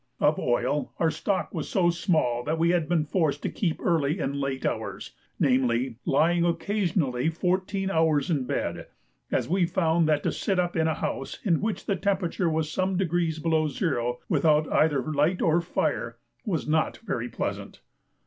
Of oil, our stock was so small, that we had been forced to keep early and late hours, namely, lying occasionally fourteen hours in bed, as we found that to sit up in a house in which the temperature was some degrees below zero, without either light or fire, was not very pleasant.